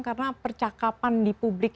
karena percakapan di publik